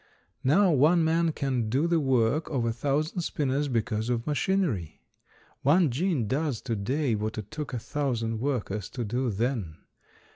Now one man can do the work of a thousand spinners because of machinery. One gin does to day what it took a thousand workers to do then.